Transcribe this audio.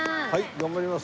頑張ります。